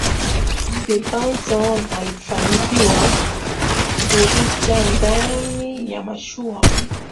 Steffanssson alifanikiwa kurukia ndani ya mashua